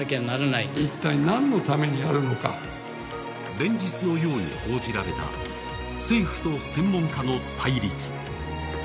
連日のように報じられた政府と専門家の対立。